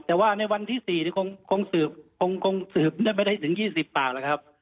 แต่ว่าในวันที่๔คงสืบได้ไปได้ถึง๒๐ปากแล้วครับ